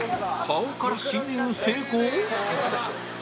顔から侵入成功？